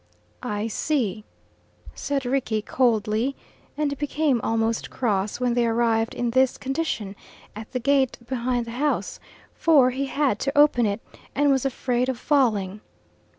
"I see," said Rickie coldly, and became almost cross when they arrived in this condition at the gate behind the house, for he had to open it, and was afraid of falling.